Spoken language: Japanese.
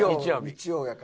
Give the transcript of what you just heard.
日曜やから。